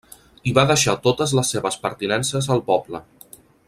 I va deixar totes les seves pertinences al poble.